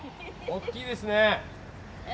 おっきいですね。